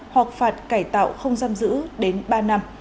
hoặc phạt cải tạo không giam giữ đến ba năm